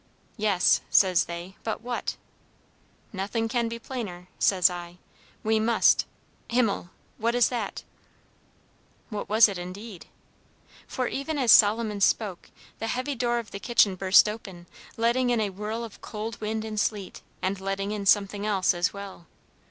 'Yes,' says they, 'but what?' 'Nothing can be plainer,' says I, 'we must' Himmel! what is that?" What was it, indeed? For even as Solomon spoke, the heavy door of the kitchen burst open, letting in a whirl of cold wind and sleet, and letting in something else as well.